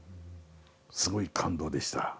すごい感動でした。